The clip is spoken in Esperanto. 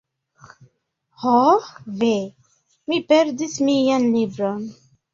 Ho ve! Mi perdis mian libron